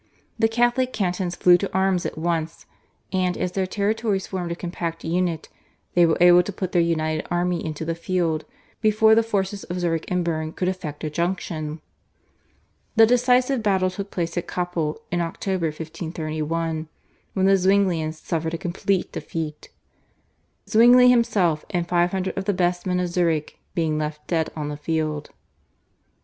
The Catholic cantons flew to arms at once, and as their territories formed a compact unit, they were able to put their united army into the field before the forces of Zurich and Berne could effect a junction. The decisive battle took place at Kappel in October 1531, when the Zwinglians suffered a complete defeat, Zwingli himself and five hundred of the best men of Zurich being left dead on the field.